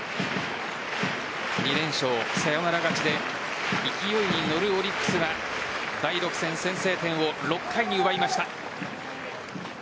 ２連勝、サヨナラ勝ちで勢いに乗るオリックスが第６戦先制点を６回に奪いました。